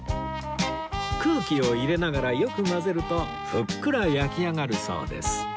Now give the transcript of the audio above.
空気を入れながらよく混ぜるとふっくら焼き上がるそうです